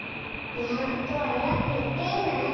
イヤなことは「イヤ」っていっていいんだね。